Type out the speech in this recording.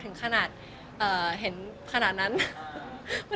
แฟนคลับของคุณไม่ควรเราอะไรไง